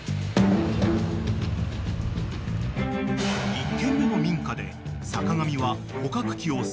［１軒目の民家で坂上は］